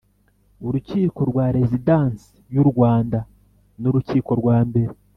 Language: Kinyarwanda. urukiko rwa Rezidansi y u Rwanda nurukiko rwa mbere